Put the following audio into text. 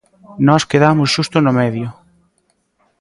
Nós quedamos xusto no medio.